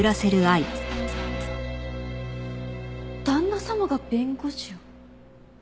旦那様が弁護士を？